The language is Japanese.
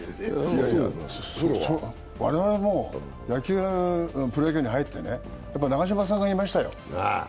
我々もプロ野球に入って、長嶋さんが言いましたよ。